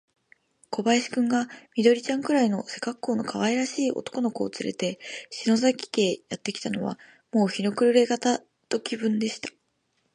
小林君が、緑ちゃんくらいの背かっこうのかわいらしい男の子をつれて、篠崎家へやってきたのは、もう日の暮れがた時分でした。